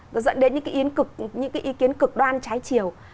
nó dẫn đến những cuộc sàng lọc dẫn đến những ý kiến cực đoan trái chiều